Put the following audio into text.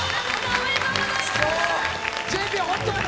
おめでとうございますクッソー